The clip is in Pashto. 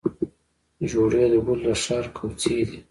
جوړې د ګلو د ښار کوڅې دي